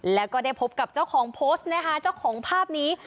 แล้วก็ได้พบกับเจ้าของโพสต์นะคะเจ้าของภาพนี้